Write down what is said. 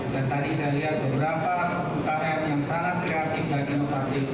dan tadi saya lihat beberapa ukm yang sangat kreatif dan inovatif